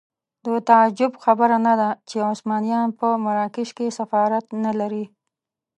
د تعجب خبره نه ده چې عثمانیان په مراکش کې سفارت نه لري.